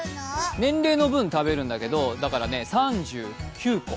年齢の分食べるんだけども、だから３９個。